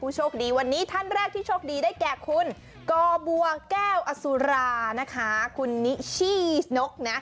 โชคดีวันนี้ท่านแรกที่โชคดีได้แก่คุณกอบัวแก้วอสุรานะคะคุณนิชี่นกนะ